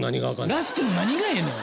ラスクの何がええの？